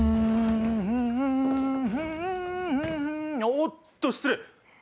おおっと失礼！